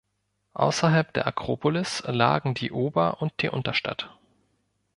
Außerhalb der Akropolis lagen die Ober- und die Unterstadt.